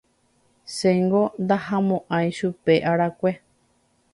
Chéngo ndahamo'ãi chupe arakue.